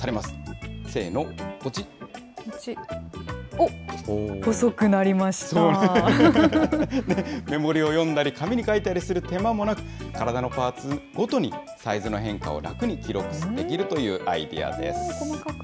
おっ、目盛りを読んだり、紙に書いたりする手間もなく、体のパーツごとにサイズの変化を楽に記録できるというアイデアで細かく。